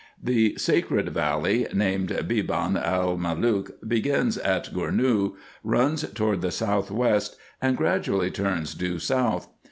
The sacred valley, named Beban el Malook, begins at Gournou, runs toward the south west, and gradually turns due south.